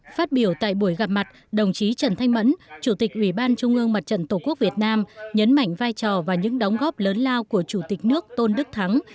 phát biểu tại buổi gặp mặt đồng chí trần thanh mẫn chủ tịch ủy ban trung ương mặt trận tổ quốc việt nam nhấn mạnh vai trò và những đóng góp lớn lao của chủ tịch nước tôn đức thắng